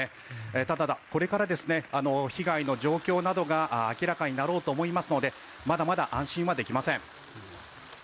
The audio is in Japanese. ただ、これから被害の状況などが明らかになろうと思いますのでまだまだ安心はできません。